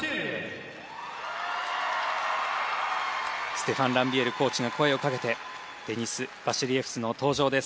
ステファン・ランビエールコーチが声をかけてデニス・バシリエフスの登場です。